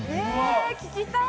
え聞きたい！